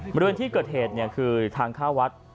บริเวณที่เกิดเหตุคือทางเข้าวัด